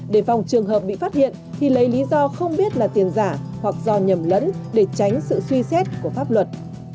để phòng trường hợp bị phát hiện thì lấy lý do không biết là tiền giả hoặc do nhầm lẫn để tránh sự suy xét của pháp luật